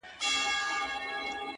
• موږه كرلي دي اشنا دشاعر پښو ته زړونه؛